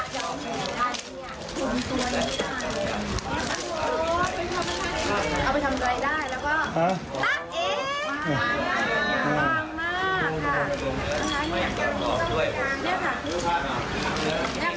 สามร้อยกว่าบาทค่ะ